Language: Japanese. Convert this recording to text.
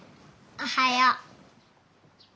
おはよう。